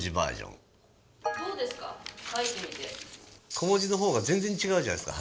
小文字の方が全然違うじゃないですか